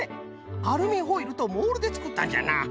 アルミホイルとモールでつくったんじゃな。